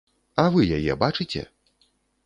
А вы яе бачыце?